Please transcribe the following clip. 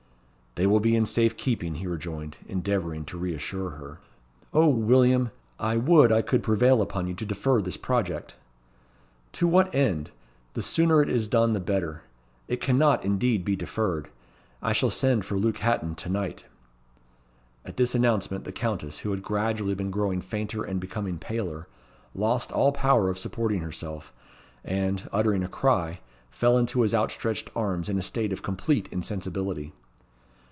"They will be in safe keeping," he rejoined, endeavouring to reassure her. "O, William! I would I could prevail upon you to defer this project." "To what end? The sooner it is done the better. It cannot, indeed, be deferred. I shall send for Luke Hatton to night." At this announcement, the Countess, who had gradually been growing fainter and becoming paler, lost all power of supporting herself, and, uttering a cry, fell into his outstretched arms in a state of complete insensibility.